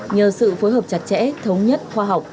nhờ sự phối hợp chặt chẽ thống nhất khoa học